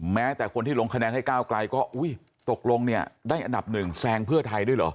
แม้แต่คนที่ลงคะแนนให้ก้าวไกลก็อุ้ยตกลงเนี่ยได้อันดับหนึ่งแซงเพื่อไทยด้วยเหรอ